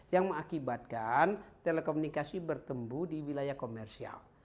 yang mengakibatkan telekomunikasi bertembu di wilayah komersial